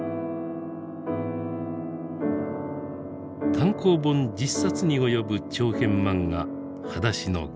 単行本１０冊に及ぶ長編漫画「はだしのゲン」。